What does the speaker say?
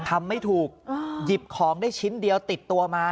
ทำไม่ถูกหยิบของได้ชิ้นเดียวติดตัวมา